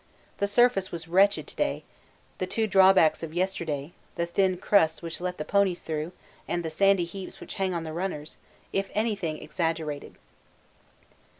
The surface was wretched to day, the two drawbacks of yesterday (the thin crusts which let the ponies through and the sandy heaps which hang on the runners) if anything exaggerated.